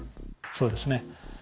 そうですね。